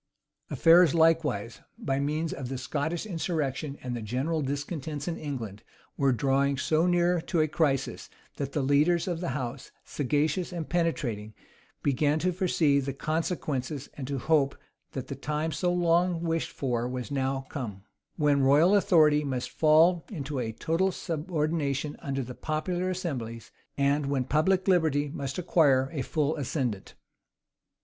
Affairs likewise, by means of the Scottish insurrection and the general discontents in England, were drawing so near to a crisis, that the leaders of the house, sagacious and penetrating, began to foresee the consequences, and to hope that the time so long wished for was now come, when royal authority must fall into a total subordination under popular assemblies, and when public liberty must acquire a full ascendant.